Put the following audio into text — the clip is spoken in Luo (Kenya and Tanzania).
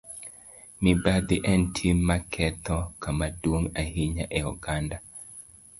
Mibadhi en tim ma ketho kama duong' ahinya e oganda..